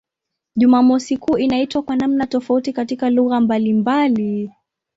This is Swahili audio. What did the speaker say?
Jumamosi kuu inaitwa kwa namna tofauti katika lugha mbalimbali.